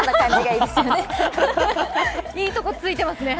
いいとこついてますね。